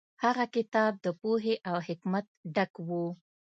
هغه کتاب د پوهې او حکمت ډک و.